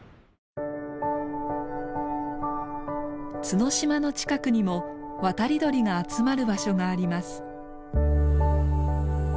角島の近くにも渡り鳥が集まる場所があります。